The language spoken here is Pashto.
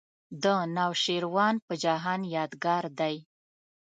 د نوشیروان په جهان یادګار دی.